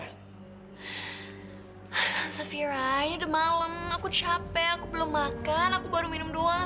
tanza fira ini udah malem aku capek aku belum makan aku baru minum doang